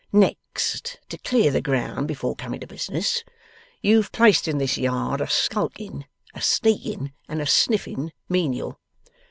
'Next (to clear the ground before coming to business), you've placed in this yard a skulking, a sneaking, and a sniffing, menial.